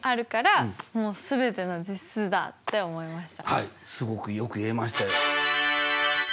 はいすごくよく言えましたよ。